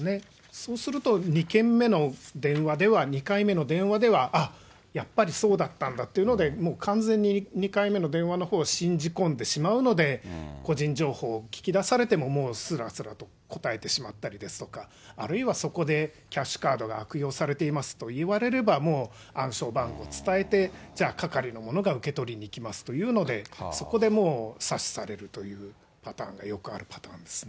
そうすると、２件目の電話では、２回目の電話では、あっ、やっぱりそうだったんだっていうので、もう完全に２回目の電話のほうを信じ込んでしまうので、個人情報を聞き出されても、もうすらすらと答えてしまったりですとか、あるいはそこでキャッシュカードが悪用されていますと言われれば、もう暗証番号を伝えて、じゃあ、係の者が受け取りに行きますというので、そこでもう詐取されるというパターンがよくありますね。